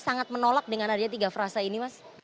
sangat menolak dengan adanya tiga frasa ini mas